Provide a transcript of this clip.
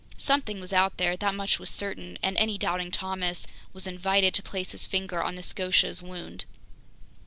Something was out there, that much was certain, and any doubting Thomas was invited to place his finger on the Scotia's wound.